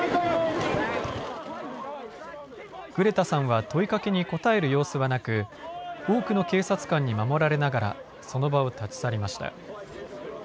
グレタさんは問いかけに答える様子はなく多くの警察官に守られながらその場を立ち去りました。